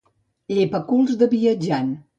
Llepaculs de viatjant.